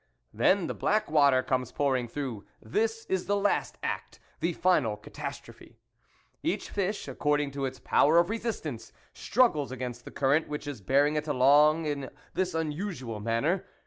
Then the black water comes pouring through; this is the last act, the final catastrophe. Each fish, according to its power of resistance, struggles against the current which is bearing it along in this unusual manner.